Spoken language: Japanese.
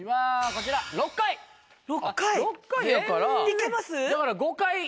いけます？